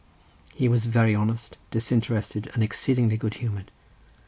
He was very honest, disinterested, and exceedingly good humoured.